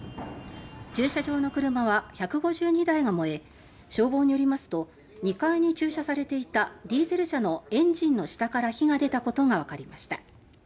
駐車場の車は１５２台が燃え消防によりますと２階に駐車されていたディーゼル車のエンジンの下から火が出たことが分かりました。